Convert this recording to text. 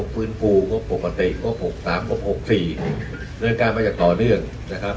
ควบฟื้นฟูควบปกติควบหกสามควบหกสี่เนื่องจากมาจากต่อเนื่องนะครับ